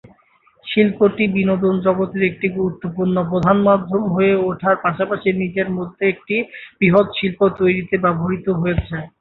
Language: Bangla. শিল্পটি বিনোদন জগতের একটি গুরুত্বপূর্ণ প্রধান মাধ্যম হয়ে ওঠার পাশাপাশি নিজের মধ্যে একটি বৃহত শিল্প তৈরিতে ব্যবহৃত হয়েছে।